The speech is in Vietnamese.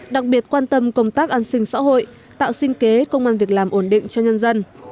đặc biệt quan tâm công tác an sinh xã hội tạo sinh kế công an việc làm ổn định cho nhân dân